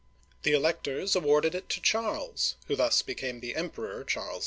The electors awarded it to Charles, — who thus became the Emperor Charles V.